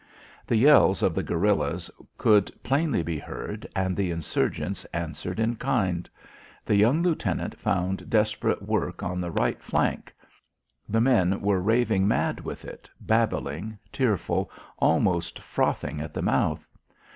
The yells of the guerillas could plainly be heard and the insurgents answered in kind. The young lieutenant found desperate work on the right flank. The men were raving mad with it, babbling, tearful, almost frothing at the mouth.